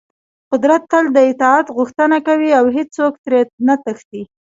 قدرت تل د اطاعت غوښتنه کوي او هېڅوک ترې نه تښتي.